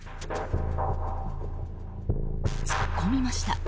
突っ込みました。